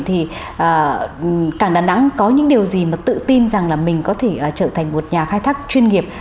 thì cảng đà nẵng có những điều gì mà tự tin rằng là mình có thể trở thành một nhà khai thác chuyên nghiệp